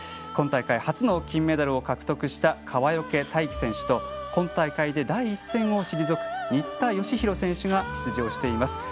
今大会初の金メダルを獲得した川除大輝選手と今大会で第一線を退く新田佳浩選手が出場しています。